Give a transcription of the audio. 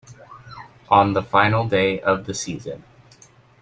On the final day of the season.